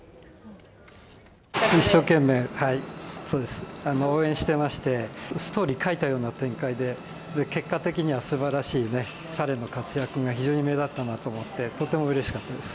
一生懸命、そうです、応援してまして、ストーリー書いたような展開で、結果的にはすばらしいね、彼の活躍が非常に目立ったなと思って、とてもうれしかったです。